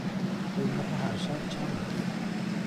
قیمت هر شب چند است؟